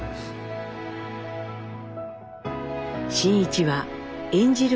真一は演じる